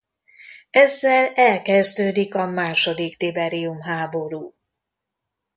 Ezzel elkezdődik a második tiberium-háború.